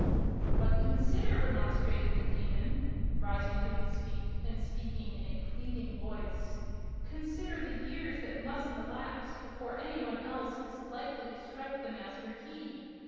"But consider," remonstrated the Demon, rising to his feet and speaking in a pleading voice, "consider the years that must elapse before any one else is likely to strike the Master Key!